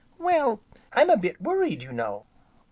"Well, I'm a bit worried, you know."